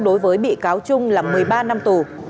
đối với bị cáo trung là một mươi ba năm tù